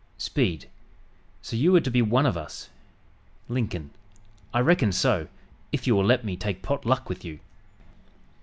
Speed "So you are to be one of us?" Lincoln "I reckon so, if you will let me take pot luck with you."